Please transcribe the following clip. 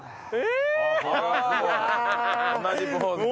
同じポーズだ。